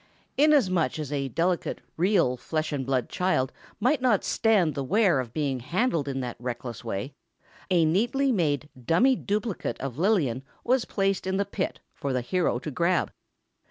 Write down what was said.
Inasmuch as a delicate, real flesh and blood, child might not stand the wear of being handled in that reckless way, a neatly made dummy duplicate of Lillian was placed in the pit for the hero to grab.